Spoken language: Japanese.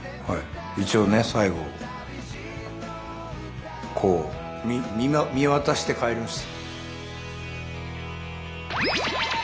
一応ね最後こう見渡して帰ります。